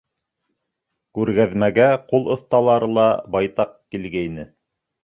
Күргәҙмәгә ҡул оҫталары ла байтаҡ килгәйне.